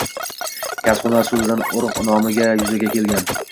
Kasb-hunar so‘zidan urug‘ nomi yuzaga kelgan.